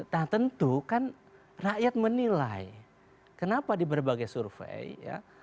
nah tentu kan rakyat menilai kenapa di berbagai survei ya